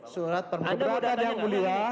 surat perbeberan ada yang mulia